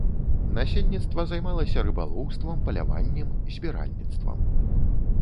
Насельніцтва займалася рыбалоўствам, паляваннем, збіральніцтвам.